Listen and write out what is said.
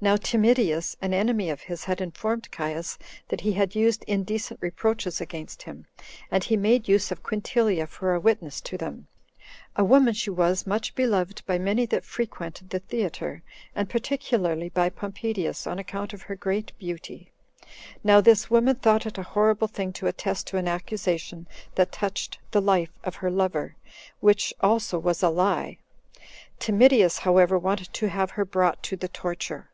Now Timidius, an enemy of his, had informed Caius that he had used indecent reproaches against him, and he made use of Quintilia for a witness to them; a woman she was much beloved by many that frequented the theater, and particularly by Pompedius, on account of her great beauty. Now this woman thought it a horrible thing to attest to an accusation that touched the life of her lover, which was also a lie. Timidius, however, wanted to have her brought to the torture.